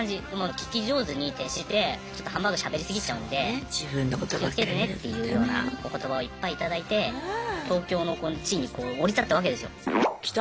聞き上手に徹してちょっとハンバーグしゃべり過ぎちゃうんで気をつけてねっていうようなお言葉をいっぱい頂いて東京の地に降り立ったわけですよ。来た！